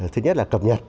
thứ nhất là cập nhật